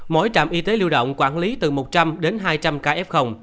mỗi trạm y tế lưu động quản lý từ một trăm linh đến hai trăm linh ca f